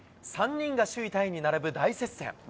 ３人が首位タイに並ぶ大接戦。